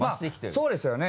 そうですよね